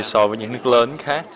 ví dụ như so với những nước lớn khác